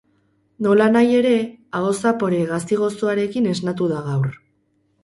Nolanahi ere, aho zapore gazi-gozoarekin esnatu da gaur.